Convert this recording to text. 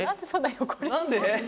何で？